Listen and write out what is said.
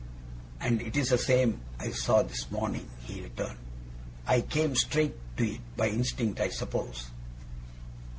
'And it's the same I saw this morning,' he returned. 'I came straight to it, by instinct, I suppose.